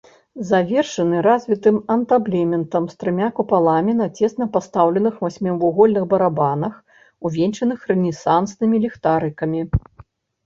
Завершаны развітым антаблементам з трыма купаламі на цесна пастаўленых васьмівугольных барабанах, увянчаных рэнесанснымі ліхтарыкамі.